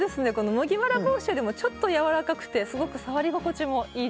麦わら帽子よりもちょっとやわらかくてすごく触り心地もいいです。